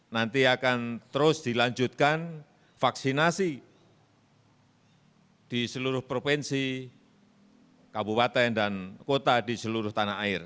nanti akan terus dilanjutkan vaksinasi di seluruh provinsi kabupaten dan kota di seluruh tanah air